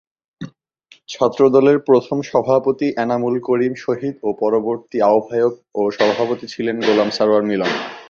ছাত্রদলের প্রথম সভাপতি এনামুল করিম শহীদ ও পরবর্তী আহ্বায়ক ও সভাপতি ছিলেন গোলাম সারোয়ার মিলন।